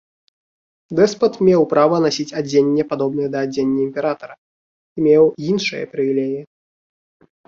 Дэспат меў права насіць адзенне, падобнае да адзення імператара, і меў іншыя прывілеі.